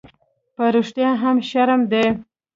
_په رښتيا هم، شرم دی؟